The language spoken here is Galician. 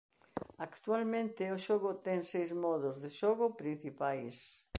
Actualmente o xogo ten seis modos de xogo principais.